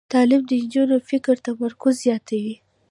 تعلیم د نجونو فکري تمرکز زیاتوي.